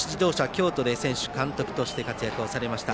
京都で選手、監督として活躍されました